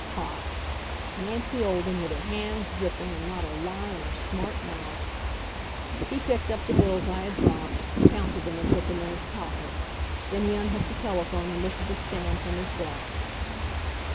Caught! Nancy Olden, with her hands dripping, and not a lie in her smart mouth! He picked up the bills I had dropped, counted them and put them in his pocket. Then he unhooked a telephone and lifted the stand from his desk.